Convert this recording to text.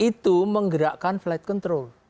itu menggerakkan flight control